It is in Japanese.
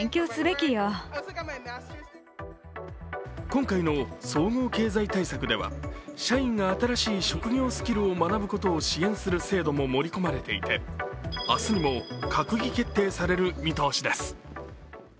今回の総合経済対策では、社員が新しい職業スキルを学ぶことを支援する制度も盛り込まれていて明日にも閣議決定される見通しです。